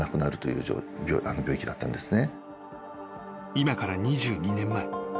［今から２２年前］